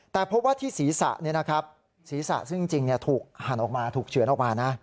แต่พบว่าที่ศีรษะศีรษะซึ่งจริงถูกหั่นออกมาถูกเฉือนออกมานะ